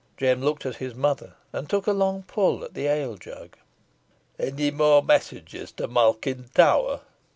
Jem looked at his mother, and took a long pull at the ale jug. "Any more messages to Malkin Tower?"